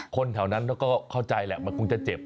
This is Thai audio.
คนแถวนั้นก็เข้าใจแหละมันคงจะเจ็บ